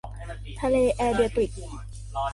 ทะเลเอเดรียติก